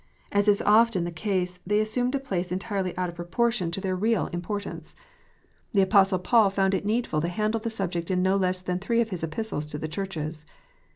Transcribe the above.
As is often the case, they assumed a place entirely out of proportion to their 354 KNOTS UNTIED. real importance. The Apostle Paul found it needful to handle the subject in no less than three of his Epistles to the Churches.